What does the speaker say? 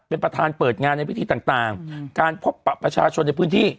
เป็นประธานเปิดงานในวิทยุต่างต่างอืมการพบประชาชนในพื้นที่